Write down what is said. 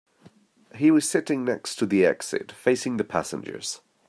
He was sitting next to the exit, facing the passengers.